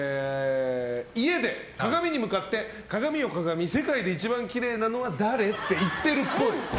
家で鏡に向かって鏡よ鏡、世界で一番きれいなのは誰？って言ってるっぽい。